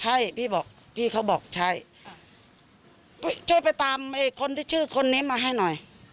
ใช่พี่บอกพี่เขาบอกใช่ช่วยไปตามไอ้คนที่ชื่อคนนี้มาให้หน่อย